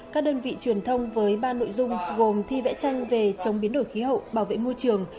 các đơn vị truyền thông với ba nội dung gồm thi vẽ tranh về chống biến đổi khí hậu bảo vệ môi trường